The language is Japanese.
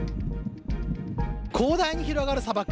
広大に広がる砂漠。